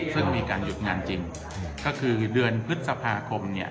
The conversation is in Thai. ซึ่งมีการหยุดงานจริงก็คือเดือนพฤษภาคมเนี่ย